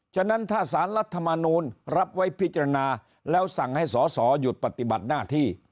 ฉะนั้นถ้าสารรัฐมนูลรับไว้พิจารณาแล้วสั่งให้สอสอหยุดปฏิบัติหน้าที่